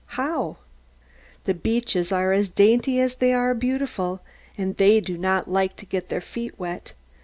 How? The beeches are as dainty as they are beautiful; and they do not like to get their feet wet.